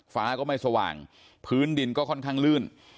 ฟ้าก็ไม่สว่างพื้นดินก็ค่อนข้างลื่น